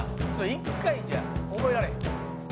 「１回じゃ覚えられへん」